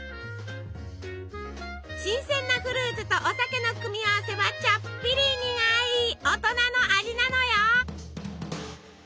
新鮮なフルーツとお酒の組み合わせはちょっぴり苦い大人の味なのよ。